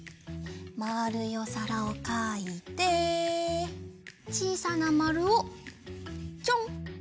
まるいおさらをかいてちいさなまるをちょん！